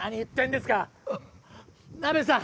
なべさん！